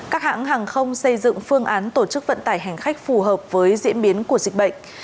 các hãng hàng không xây dựng phương án tổ chức vận tải hành khách phù hợp với diễn biến của dịch bệnh